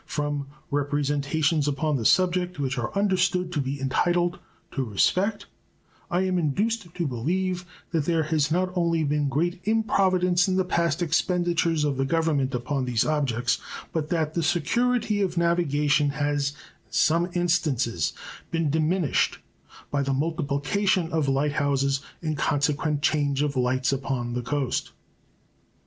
From representations upon the subject which are understood to be entitled to respect I am induced to believe that there has not only been great improvidence in the past expenditures of the Government upon these objects, but that the security of navigation has in some instances been diminished by the multiplication of light houses and consequent change of lights upon the coast.